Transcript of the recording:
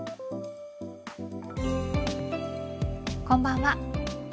こんばんは。